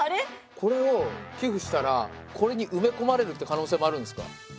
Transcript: これを寄付したらこれに埋め込まれるって可能性もあるんですか？